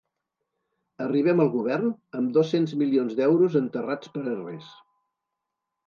Arribem al govern amb dos-cents milions d’euros enterrats per a res.